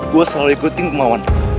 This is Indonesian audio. gue selalu ikutin mau